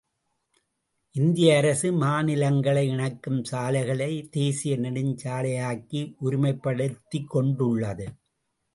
இந்திய அரசு, மாநிலங்களை இணைக்கும் சாலைகளை, தேசீய நெடுஞ்சாலையாக்கி உரிமைப்படுத்திக் கொண்டுள்ளது.